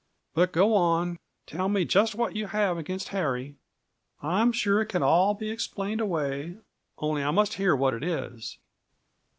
"But go on; tell me just what you have against Harry. I'm sure it can all be explained away, only I must hear what it is."